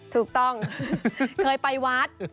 ถูกต้องเคยไปวัด